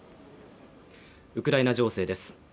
ウクライナ情勢です。